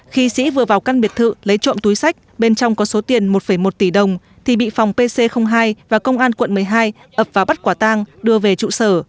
khi sĩ vừa vào căn biệt thự lấy trộm túi sách bên trong có số tiền một một tỷ đồng thì bị phòng pc hai và công an quận một mươi hai ập vào bắt quả tang đưa về trụ sở